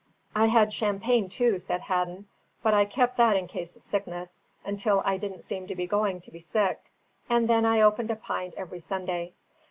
"I had champagne too," said Hadden, "but I kept that in case of sickness, until I didn't seem to be going to be sick, and then I opened a pint every Sunday.